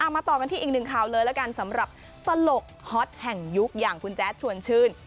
มาต่อกันที่อีกหนึ่งข่าวเลยแล้วกันสำหรับตลกฮอตแห่งยุคอย่างคุณแจ๊ดชวนชื่น